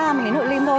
mình đến hội điêm thôi